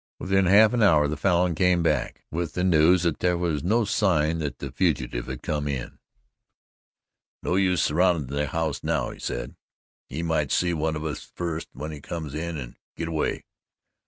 Within half an hour the Falin came back with the news that there were no signs that the fugitive had yet come in. "No use surrounding the house now," he said, "he might see one of us first when he comes in an' git away.